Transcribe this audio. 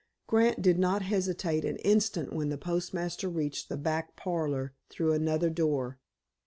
Grant did not hesitate an instant when the postmaster reached the "back parlor" through another door.